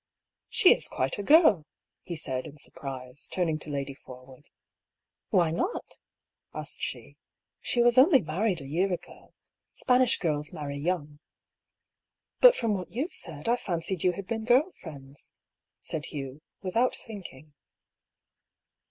^' She is quite a girl !" he said, in surprise, turning to Lady Forwood. "Why not?" asked she. "She was only married a year ago. Spanish girls marry young." " But, from what you said, I fancied you had been girl friends," said Hugh, without thinking.